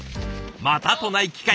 またとない機会